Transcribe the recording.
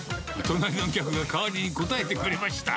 隣の客が代わりに答えてくれました。